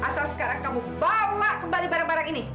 asal sekarang kamu bawa kembali barang barang ini